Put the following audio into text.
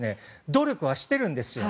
努力はしてるんですよ。